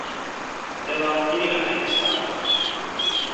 それは意味がないですか？